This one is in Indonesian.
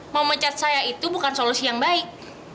mau mencat saya itu bukan solusi yang baik